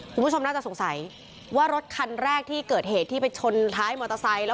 คุณผู้ชมน่าจะสงสัยว่ารถคันแรกที่เกิดเหตุที่ไปชนท้ายมอเตอร์ไซค์